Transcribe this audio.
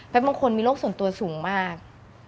บางคนมีโรคส่วนตัวสูงมาก